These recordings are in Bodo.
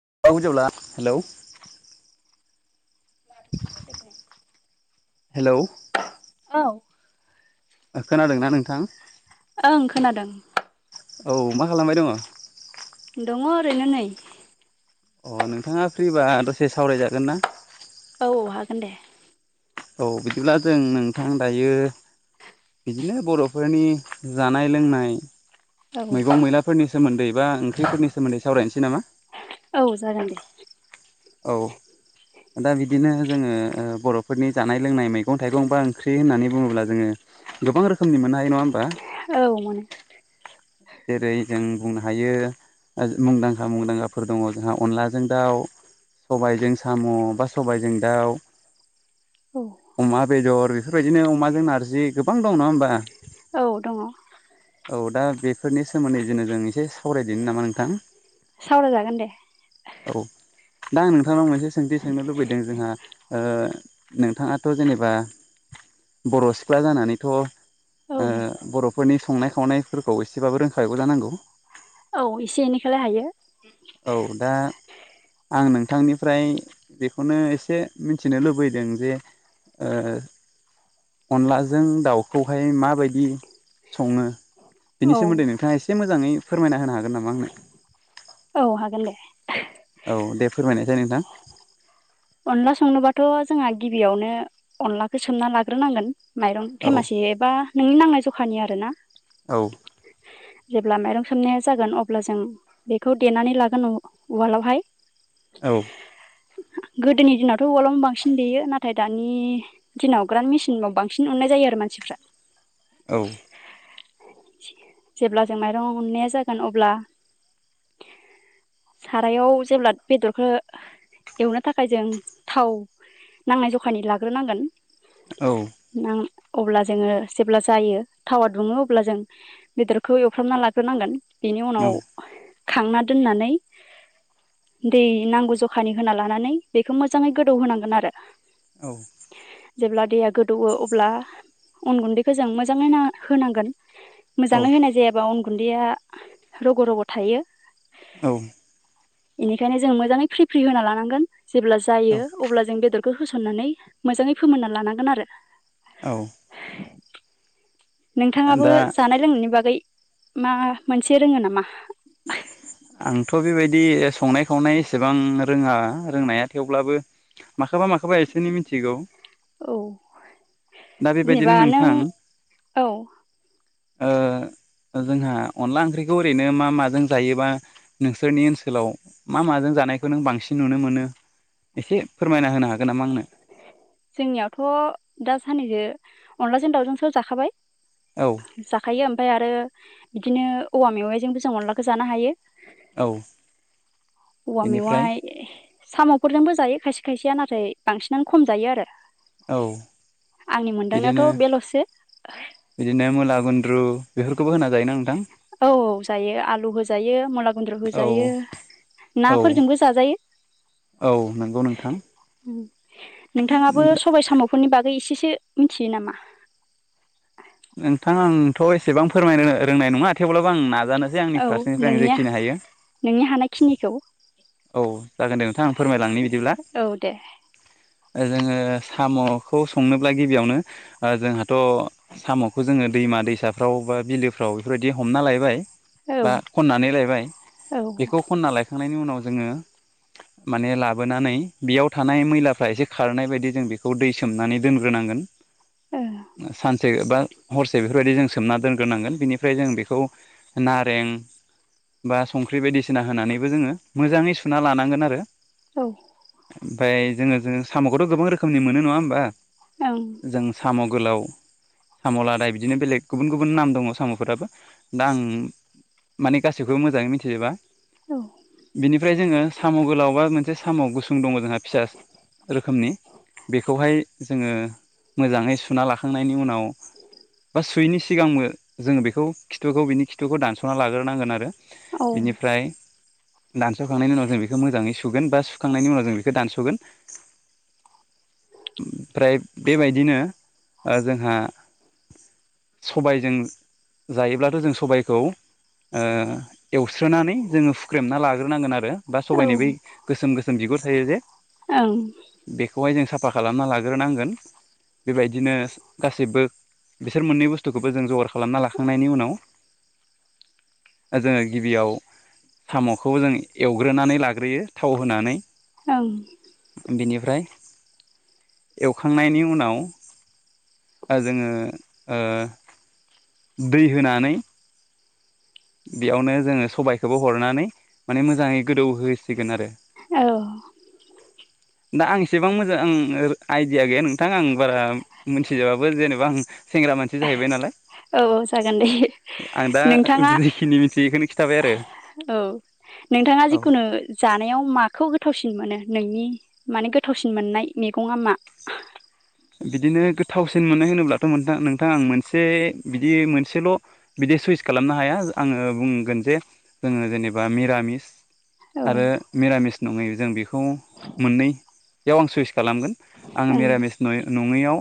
[unintelligible] हेल'। [inaudible] हेलौ। औ। खोनादोंना नोंथां? ओं खोनादों। औ मा खालामबाय दङ। दङ एरैनो नै। अ नोंथाङा फ्रिबा दसे सावरायजागोन ना। औ औ हागोन दे। औ बिदिब्ला जों नोंथां दायो बिदिनो बर'फोरनि जानाय लोंनाय औ मैगं मैलाफोरनि सोमोन्दै बा ओंख्रिफोरनि सोमोन्दै सावरायनोसै नामा? औ जागोन दे। औ। दा बिदिनो जोङो बर'फोरनि जानाय लोंनाय मैगं थाइगं बा ओंख्रि होननानै बुङोब्ला जोङो गोबां रोखोमनि मोननो हायो नङा होमबा? औ मोनो। जेरै जों बुंनो हायो। मुंदांखा मुंदांखाफोर दङ जोंहा अनलाजों दाउ, सबायजों साम' बा सबायजों दाउ, अमा बेदर बेफोरबायदिनो अमाजों नारजि गोबां दं नङा होमबा? औ दङ औ दा बेफोरनि सोमोन्दै जेन' जों एसे सावरायदोनि नामा नोंथां? सावरायजागोन दे। औ। दा आं नोंथांनाव मोनसे सोंथि सोंनो लुबैदों जोंहा नोंथाङाथ' जेनेबा बर' सिख्ला जानानैथ' औ बर'फोरनि संनाय खावनायफोरखौ एसे एसेबाबो रोंखागौ जानांगौ। औ एसे एनैखौलाय हायो। औ दा आं नोंथांनिफ्राय बेखौनो एसे मिथिनो लुबैदों जे ओ अनलाजों दाउखौहाय माबायदि सङो औ बिनि सोमोन्दै नोंथाङा एसे मोजाङै फोरमायना होनो हागोन नामा आंनो औ हागोन दे औ दे फोरमायनायसाय नोंथां अनला संनोबाथ' जोंहा गिबियावनो अनलाखौ सोमना लाग्रोनांगोन माइरं औ थेमासि एबा नोंनि नांनाय जखानि आरो ना औ जेब्ला माइरं सोमनाया जागोन अब्ला जों बेखौ देनानै लागोन उवालावहाय औ गोदोनि दिनावथ' अवालावनो बांसिन लेयो नाथाय दानि दिनाव ग्रान् मेसिनाव बांसिन अननाय जायो आरो मानसि मानसिफ्रा औ जेब्ला जों माइरं उननाया जागोन अब्ला सारायाव जेब्ला बेदरखौ एवनो थाखाय जों थाव नांनाय जखानि लाग्रोनांगोन नां अब्ला जोङो जेब्ला जायो थावा दुङो अब्ला जों बेदरखौ एवफ्रामना लाग्रोनांगोन बेनि उनाव औ खांना दोननानै दै नांगौ जखानि होना लानानै बेखौ मोजाङै गोदौ होनांगोन आरो औ जेब्ला दैया गोदौवो अब्ला अन गुन्दैखौ जों मोजाङैनो होनांगोन मोजाङै होनाय जायाबा अन गुन्दैया रग' रग' थायो औ बेनिखायनो जों मोजाङै फ्रि फ्रि होना लानांगोन जेब्ला जायो अब्ला जों बेदर बेखौ होसननानै मोजाङै फोमोनना लानांगोन आरो औ नोंथाङाबो दा जानाय लोंनायनि बागै मा मोनसे रोङो नामा आंथ' बेबायदि संनाय खावनाय एसेबां रोङा रोंनाया थेवब्लाबो माखासे माखोबा माखोबा एसेनि मिथिगौ औ दा जेनेबा बेबायदिनो नों नोंथां औ ओ जोंहा अनला ओंख्रिखौ ओरैनो मा माजों जायोबा नोंसोरनि ओनसोलाव मा माजों जानायखौ नों बांसिन नुनो मोनो एसे फोरमायना होनो हागोन नामा आंनो जोंनियावथ' दा साननैसो अनलाजों दाावजोंसो जाखाबाय औ जाखायो ओमफ्राय आरो बिदिनो औवा मेवाइजोंबो जों अनलाखौ जानो हायो औ औवा बेनिफ्राय मेवाय साम'फोरजोंबो जायो खायसे खायसेया नाथाय बांसिनानो खम जायो आरो औ आंनि बिदिनो मोनदांनायावथ' बेल'सो बिदिनो मुला गुन्द्रु बेफोरखौबो होनाय औ जायो आलु होजायो मुला गन्द्र औ होजायो औ नाफोरजोंबो जाजायो औ नंगौ नोंथां नोंथाङाबो सबाय साम'फोरनि बागै एसे एसे मिथियो नामा? नोंथां आंथ' एसेबां फोरमायनो रोंनाय नङा थेवब्लाबो आं नाजानोसै आंनि औ फारसेनिफ्राय आं नोंनिया जेखिनि हायो नोंनि हानायखिनिखौ औ जागोन दे नोंथां आं फोरमायलांनि बिदिब्ला औ दे जोङो सामखौ संनोब्ला गिबियावनो जोंहाथ सामखौ जोङो दैमा दैसाफ्राव बा बिलोफ्राव बेफोरबायदि हमना लायबाय बा औ खननानै लायबाय औ बेखौ खनना लायखांनायनि उनाव जोङो माने लाबोनानै बेयाव थानाय मैलाफ्रा एसे खारनाय बायदि जों बेखौ दै सोमनानै दोनग्रोनांगोन सानसे बा हरसे बेफोरबायदि जों सोमना दोनग्रोनांगोन बिनिफ्राय जों बेखौ नारें बा संख्रि बायदिसिना होनानैबो जोङो मोजाङै सुना लानांगोन आरो ओमफफ्राय जोङो जोङो साम' खौथ' गोबां रोखोमनि मोनो नङा होमबा ओं औ जों साम' गोलाव साम' लादाय बिदिनो बेलेग गुबुन गुबुन नाम दङ साम'फोराबो दा आं माने गाैखौबो मोजाङै मिथिजोबा। औ बिनिफ्राय जोङो साम' गोलावबा मोनसे साम' गुसुं दङ जोंहा फिसा रोखोमनि बेखौहाय जोङो मोजाङै सुना लाखांनायनि उनाव बा सुयैनि सिगांबो जोङो बेखौ खिथुखौ बिनि खिथुखौ दानस'ना लाग्रोनांगोन आरो बिनिफ्राय दानसावखांनायनि उनाव जों बेखौ मोजाङै सुगोन बा सुखांनायनि उनाव जों बे खौ दानसगोन। ओमफ्राय बेबायदिनो जोंहा सबायजों जायोब्लाथ' जों सबायखौ ओ एवस्रोनानै जोङो फुख्रेमना ला सुगोर नांगोन आरो बा सबायनि बै ओं गोसोम-गोसोम बिगुर थायो जे बेखौहाय जोङो सा साफा खालामना लाग्रोनांगोन बेबायदिनो गासैबो बिसोर मोननै बुस्तुखौबो जों जगार खालामना लाखांनायनि उनाव जोङो गिबियाव साम' खौ जों एवग्रोनानै लाग्रोयो थाव होनानै। औं बेनिफ्राय एवखांनायनि उनाव ओ जोङो ओ दै होनानै बेयावनो जोङो सबायाइखौबो हरनानै माने मोजाङै गोदौहोसिगोन आरो औ दा आं एसेबां मोजां ओ आइदिया गैया नोंथां आं बारा मिथिजोबाबो जेनेबा आं सेंग्रा मानसि जाहैबाय नालाय। औ औ जागोन दे आं दा नोंथां। जिखिनि मिथि बेखखौनो खिथा औ नोंथाङा औ जिखुनु जानायाव माखौ गोथावसिन मोनो। नोंनि माने गोथावसिन मोननाय मैगंआ मा। बिदिनो गोथावसिन मोनो होनोब्लाथ' नोंथां आं मोनसे बिदि मोनसेल बिदि स इस खालामनो हाया आङो बुंगोन जे जोङो जेनेबा मिरामिस औ आरो मिरामिस नङै जों बेखौ मोननैयाव आं सुइस खालामगोन आङो ओं मिरामिस न नङैआव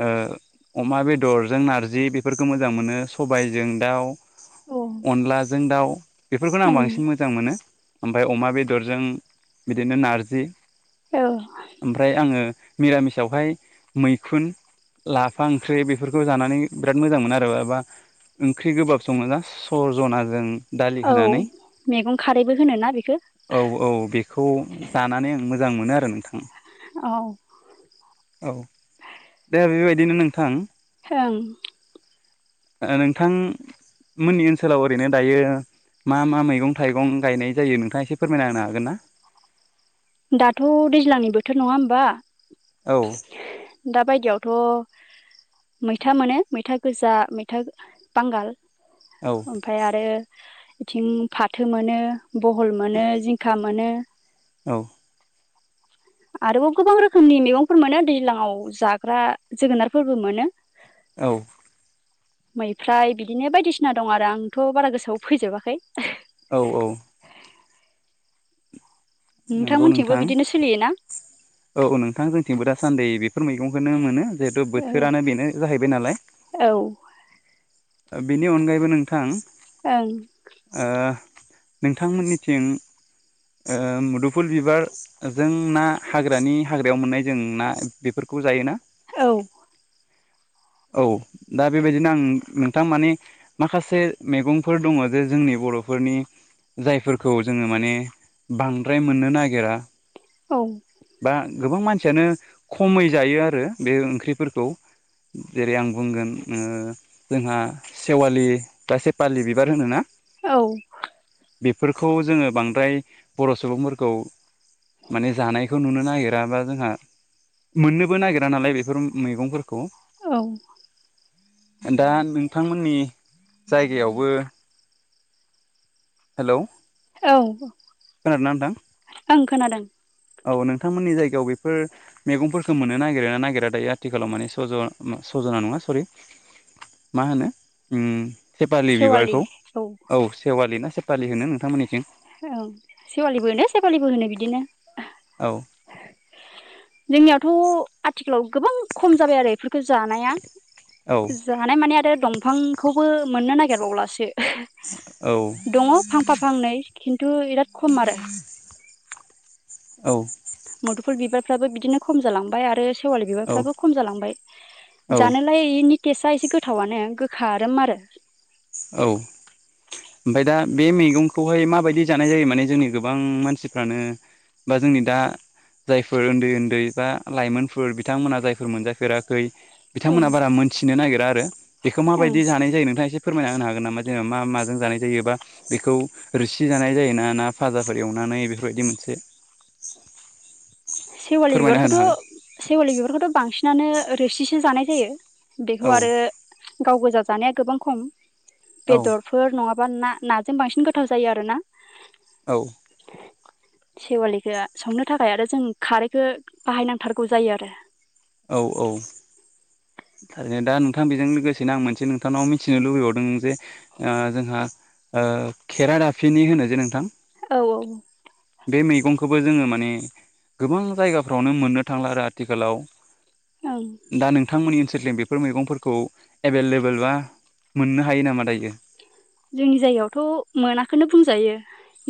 ओ अमा बेदरजों नारजि बेफोरखौ मोजां मोनो सबायाइजों दाउ औ ओं अनलाजों दाउ बेफोरखौनो आं बांसिन मोजां मोनो ओमफ्राय अमा बेदरजों बिदिनो नारजि औ ओमफ्राय आङो मिरामिसावहाय मैखुन लाफा ओंख्रि बेफोरखौ जानानै बिराद मोजां मोनो आरो माबा ओंख्रि गोबाब सङो ना स'जनाजों दालि औ होनानै मैगं खारैबो होनोना बेखौ। औ औ बेखौ जानानै आं मोजां मोनो आरो नोंथां। औ औ दे बे बायदिनो नोंथां ओं नोंथांमोननि ओनसोलाव ओरैनो दायो मा मा मैगं थाइगं गायनाय जायो नोंथाङा एसे फोरमायना होननो हागोन ना दाथ' दैज्लांनि बोथोर नङा होमबा औ दा बायदियावथ' मैथा मोनो मैथा गोजा मैथा गो बांगाल औ ओमफ्राय आरो बिथिं फाथो मोनो बहल मोनो जिंखा मोनो औ आरोबाव गोबां रोखोमनि मैगंफोर मोनो दैज्लांव जाग्रा जोगोनारफोरबो मोनो औ मैफ्राय बिदिनो बायदिसिना दं आरो आंथ' बारा गोसोआव फैजोबाखै औ औ नंगौ नोंथांमोनथिंबो नोंथां बिदिनो सोलियोना औ औ नोंथां जोंथिंबो दासान्दि बेफोर मैगंखौनो मोनो जिहेथु बोथोरानो बेनो जाहैबाय नालाय औ ओ बेनि अनगायैबो नोंथां ओं ओ नोंथांमोननिथिं ओ मुदुफुल बिबारजों ना हाग्रानि हाग्रायाव मोननाय जों ना बेफोरखौ खौ जायोना औ औ दा बे बायदिनो आं नोंथां माने माखासे मैगंफोर दङ जे जोंनि बर'फोरनि जायफोरखौ जोङो माने बांद्राय मोननो नागिरा औ बा गोबां मानसि खसेयानो खमै जायो आरो बे ओंख्रिफोरखौ जेरै आं बुंगोन ओ जोंहा सेवालि गास बारलि बिबार होनो ना बेफोरखौ जोङो बांद्राय बर' सुबुंफोरखौ माने जानायखौ नुनो नागिरा बा जोंहा मोननोबो नागिरा नालाय बेफोर मैगंफोरखौ औ दा नोंथांमोननि जायगायावबो हेलौ औ खोनादोंना नोंथां ओं खोनादों औ नोंथांमोननि जायगायाव बेफोर मैगंफोरखौ मोननो नागिर ना नागिरा दायो आथिखालाव माने सज' सजना नङा सरि मा होनो उम सेपालि बिबारखौ औ सेवालि ना सेपालि होनो नोंथांमोननिथिं औ सेवालिबो होनो सेवालिबो होनो बिदिनो औ जोंनियावथ' आथिखालाव गोबां खम जाबाय आरो बेफोरखौ जानाया औ जानाय माने आरो दंफांखौबो मोननो नागिरबावलासो औ दङ फांफा फांनै खिन्थु बिराद खम आरो औ मुदुफुल बिबारफ्राबो बिदिनो खम जालांबाय आरो खेवालि बिबारफ्राबो खम जालांबाय औ जानालायनि गटेस्टआ एसे गोथावनो गोखा आराम आरो औ ओमफफ्राय दा बे मैगंखौहाय माबायदि जानाय जायो माने जोंनि गोबां मानसिफ्रानो बा जोंनि दा जायफोर उन्दै उन्दै बा लाइमोनफोर बिथांमोना जायफोर मोनजाफेराखै गै औ बिथांमोनहा बारा मोनथिनो नागिरा आरो बेखौ ओं माबायदि जानाय जायो नोंथाङा एसे फोरमायना होनांनो हागोन नामा जेनेबा मा माजों जानाय जायोबा बेखौ रोसि जानाय जाय ना ना फाजाफोर एवना ानानै बेफोरबायदि मोनसे सेवालि फोरमायना होनो हागोन बिबारखौथ' सेवालि बिबारखौथ' बांसिनानो रोसिसो जानाय जायो औ बेखौ आरो गाव गोजा जानाया गोबां खम औ बेदरफोर नङाबा ना नाजों बांसिन गोथाव जायो आरोना। औ। सेवालिखौो संनो थाखाय आरो जों खारैखौ बाहायनांथारगौ जायो आरो। औ औ ारैनो दा नोंथां बेजों लोगोसेनो आं मोनसे नोंथांनाव मिथिनो लुबैबावदों जे जोंहा खेरा दाफिनि होनो जे नोंथां। औ औ बे मैगंखौबो जोङो माने गोबां जायगाफ्रावनो मोननो थांला आरो आथिखालाव औ गमोननि ओनसोलथिं बेफोर मैगंफोरखौ एभेलेबेल बा मोननो हायो नामा दायो? जोंनि जायगायावथ' मोनाखोननो बुंजायो।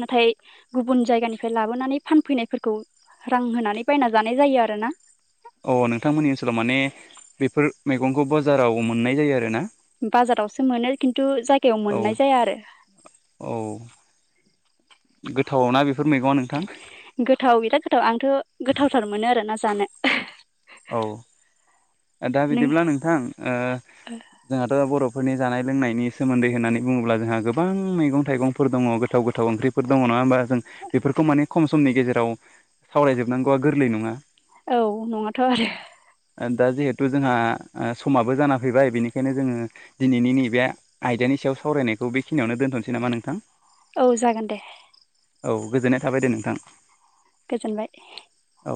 नाथाय गुबुन जायगानिफ्राय लाबोनानै फानफैनायफोरखौ रां होनानै बायना जानाय जायो आरोना। अ नोंथांमोननि ओनसोलाव माने बेफोर मैगंखौ बाजाराव मोननाय जायो आरो ना। बाजारावसो मोनो खिन्थु जायगायाव औ मोननाय जाया आरो गोथावाव ना बेखौ गोथाव बिराद गोथाव आंथ' गोथावथार मोनो आरोना जानो। औ। दा नों बिदिब्ला नोंथां जोंहाथ' बर' फोरनि जानाय लोंनायनि सोमोन्दै होननानै बुङोब्ला जोंहा गोबां मैगं थाइगंफोर दङ गोाव गोथाव ओंख्रिफोर दङ नामा? नङा होमबा जों बेफोरखौ माने खम समनि गेजेराव सावरायजोबनांगौआ गोरलै नङा‌। औ नङाथ' आरो दा जिहेथु जोंहा समाबो जाना फैबाय बेनिखायनो जोङो दिनैनि नैबे आयदानि सायाव सावरायनायखौ बे खिनियावनो दोनथ'नोसै नामा नोंथां औ जागोन दे औ गोजोननाय थाबाय दे नोंथां। गोजोनबाय द